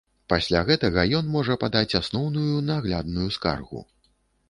Пасля гэтага ён можа падаць асноўную наглядную скаргу.